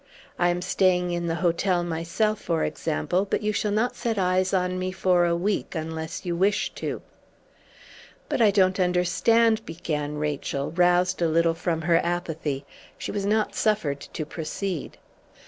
I am staying in the hotel myself, for example, but you shall not set eyes on me for a week unless you wish to." "But I don't understand," began Rachel, roused a little from her apathy. She was not suffered to proceed.